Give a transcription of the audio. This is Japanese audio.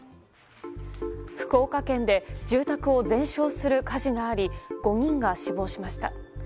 福岡県で住宅を全焼する火事があり、５人が死亡しました。